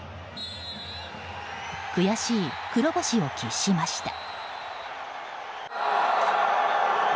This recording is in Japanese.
悔しい黒星を喫しました。